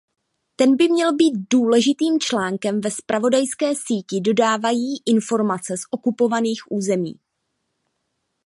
Ten měl být důležitým článkem ve zpravodajské síti dodávají informace z okupovaných území.